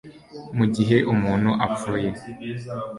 mu gihe umuntu apfuye